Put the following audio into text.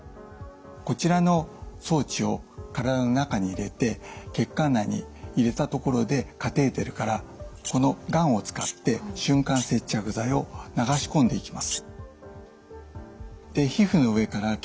こちらの装置を体の中に入れて血管内に入れたところでカテーテルからこのガンを使って瞬間接着剤を流し込んでいきます。